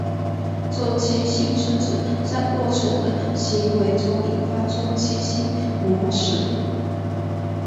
周期性是指在过程的行为中引发周期性模式。